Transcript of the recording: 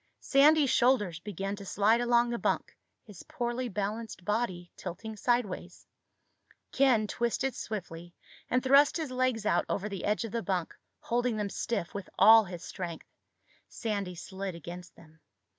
Sandy's shoulders began to slide along the bunk, his poorly balanced body tilting sideways. Ken twisted swiftly and thrust his legs out over the edge of the bunk, holding them stiff with all his strength. Sandy slid against them.